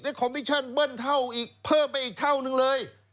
คอมมิชชั่นเบิ้ลเท่าอีกเพิ่มไปอีกเท่านึงเลย